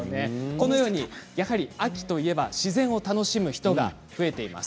このように秋といえば自然を楽しむ人が増えています。